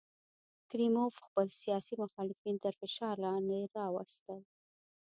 کریموف خپل سیاسي مخالفین تر فشار لاندې راوستل.